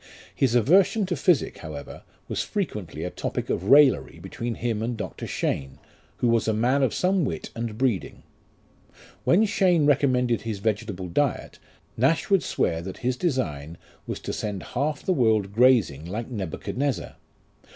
His aversion to physic, however, was frequently a topic of raillery between him and Dr. Cheyne, who was a man of some wit and breeding. When Cheyne recommended his vegetable diet, Nash would swear that his design was to send half the world grazing like Nebuchadnezzar.